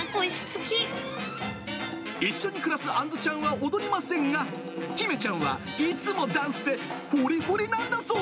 一緒に暮らすあんずちゃんは踊りませんが、姫ちゃんはいつもダンスでノリノリなんだそう。